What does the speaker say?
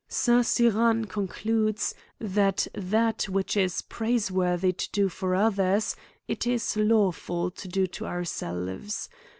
St. Cyran concludes, that that which it is praise worthy to do for others, it is lawful to do to our selves.